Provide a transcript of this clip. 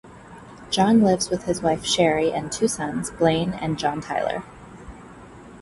John lives with his wife, Sherry, and two sons, Blane and John Tyler.